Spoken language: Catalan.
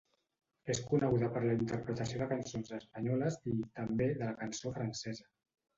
És coneguda per la interpretació de cançons espanyoles i, també, de la cançó francesa.